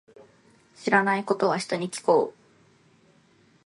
知らないことは、人に聞こう。